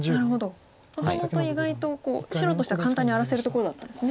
もともと意外と白としては簡単に荒らせるところだったんですね。